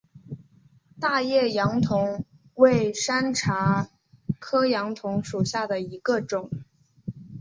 大叶杨桐为山茶科杨桐属下的一个种。